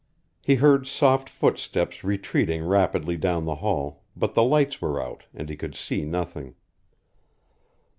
He heard soft footsteps retreating rapidly down the hall, but the lights were out, and he could see nothing.